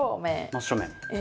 真正面。